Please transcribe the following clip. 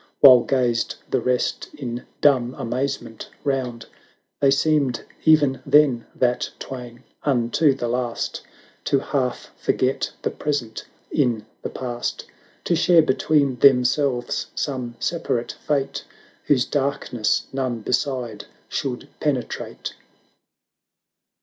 While gazed the rest in dumb amaze ment round: They seemed even then — that twain — unto the last Canto ii.] LARA 409 To half forget the present in the past; To share between themselves some separate fate, Whose darkness none beside should penetrate.